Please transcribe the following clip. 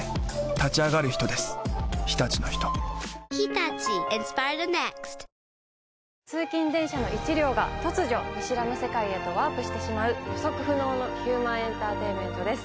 正解はＣＭのあとさらに通勤電車の１両が突如見知らぬ世界へとワープしてしまう予測不能のヒューマンエンターテインメントです